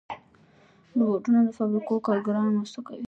روبوټونه د فابریکو کارګران مرسته کوي.